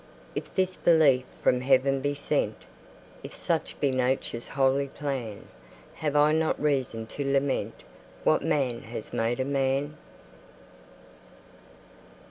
If this belief from heaven be sent, If such be Nature's holy plan, Have I not reason to lament What man has made of man?